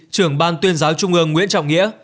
trưởng ban tuyên giáo trung ương nguyễn trọng nghĩa